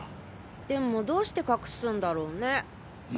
でもどうして隠すんだろうね？